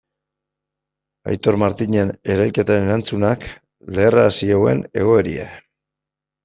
Aitor Martinen erailketaren erantzunak leherrarazi zuen egoera.